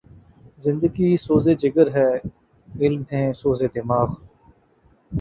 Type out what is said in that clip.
زندگی سوز جگر ہے ،علم ہے سوز دماغ